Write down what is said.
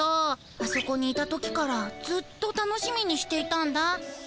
あそこにいた時からずっと楽しみにしていたんだ。